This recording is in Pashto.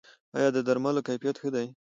آیا د درملو کیفیت ښه دی؟